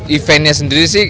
eventnya sendiri sih